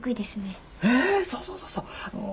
ええそうそうそうそう。